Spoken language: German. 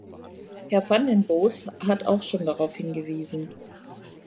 Herr van den Bos hat auch schon darauf hingewiesen.